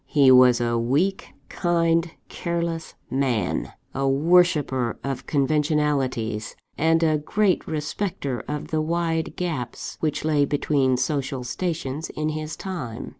He was a weak, kind, careless man; a worshipper of conventionalities; and a great respecter of the wide gaps which lay between social stations in his time.